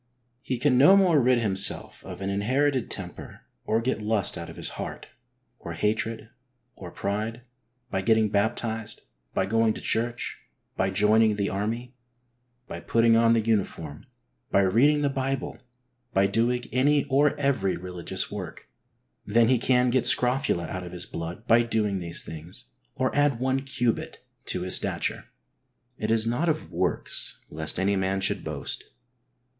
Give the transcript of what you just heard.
He can no more rid himst'lf of an inherited tem|)cr, or get lust out of his heart, or hatred, or pride, by getting baptised, by going to church, by joining The Army, by putting on the uniform, by reading the Bible, by doing any or every religious work, HOLINESS : HOW TO GET IT. 15 than he can get scrofula out of his blood by doing these things, or add one cubit to his stature. It is not of works, lest any man should boast.